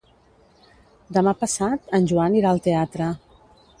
Demà passat en Joan irà al teatre.